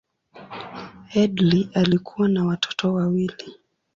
Headlee alikuwa na watoto wawili.